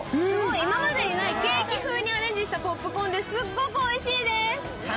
今までにないケーキ風にアレンジしたポップコーンで、すごいおいしいです。